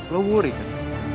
lo wuri kan